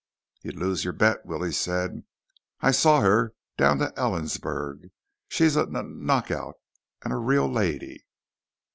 "You'd lose the bet," Willie said. "I saw her down to Ellensburg. She's a kn knockout. And a real lady."